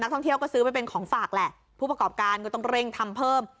ท่องเที่ยวก็ซื้อไปเป็นของฝากแหละผู้ประกอบการก็ต้องเร่งทำเพิ่ม